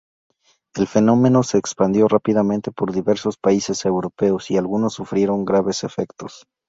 El fenómeno se expandió rápidamente por diversos países europeos, y algunos sufrieron graves efectos.